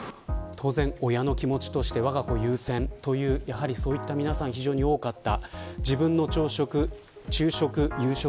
当然、親の気持ちとしてわが子優先というやはり、そういった皆さんが非常に多かった。